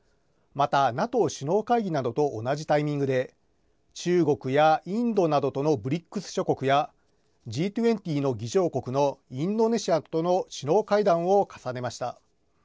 またＮＡＴＯ首脳会議などと同じタイミングで、中国やインドなどとのＢＲＩＣＳ諸国や、Ｇ２０の議長国のインドネシアとの首脳会談を重ねました。